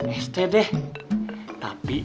estek deh tapi